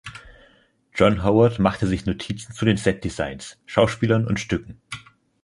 John Howard machte sich Notizen zu den Setdesigns, Schauspielern und Stücken.